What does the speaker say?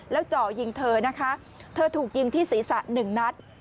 แล้วเจาะยิงเธอนะคะเธอถูกยิงที่ศีรษะหนึ่งนัด